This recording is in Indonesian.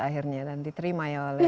akhirnya dan diterima ya oleh